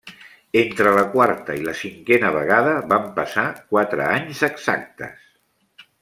Entre la quarta i la cinquena vegada van passar quatre anys exactes.